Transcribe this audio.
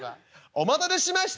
「お待たせしました。